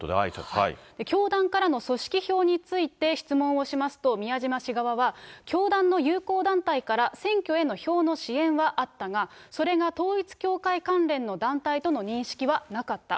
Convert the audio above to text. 教団からの組織票について質問をしますと、宮島氏側は、教団の友好団体から、選挙への票の支援はあったが、それが統一教会関連の団体との認識はなかった。